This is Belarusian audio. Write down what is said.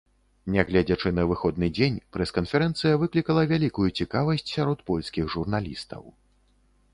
Нягледзячы на выходны дзень, прэс-канферэнцыя выклікала вялікую цікавасць сярод польскіх журналістаў.